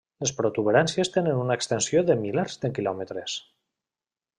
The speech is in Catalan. Les protuberàncies tenen una extensió de milers de quilòmetres.